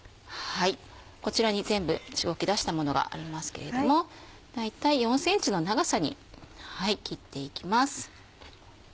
こちらに全部しごき出したものがありますけれども大体４ｃｍの長さに切っていきます。